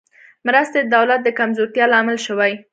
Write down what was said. مرستې د دولت د کمزورتیا لامل شوې.